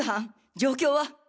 状況は？